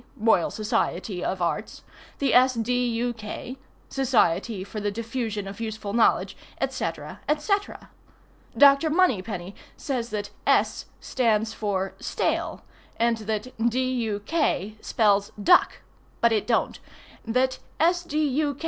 Royal Society of Arts—the S. D. U. K., Society for the Diffusion of Useful Knowledge, &c, &c. Dr. Moneypenny says that S. stands for stale, and that D. U. K. spells duck, (but it don't,) that S. D. U.